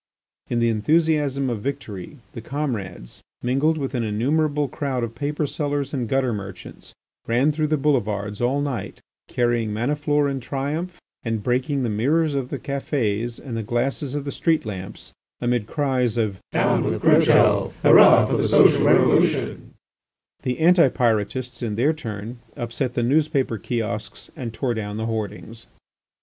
In the enthusiasm of victory, the comrades, mingled with an innumerable crowd of paper sellers and gutter merchants, ran through the boulevards all night, carrying, Maniflore in triumph, and breaking the mirrors of the cafés and the glasses of the street lamps amid cries of "Down with Crucho! Hurrah for the Social Revolution!" The Anti Pyrotists in their turn upset the newspaper kiosks and tore down the hoardings.